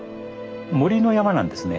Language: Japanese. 森の山なんですね。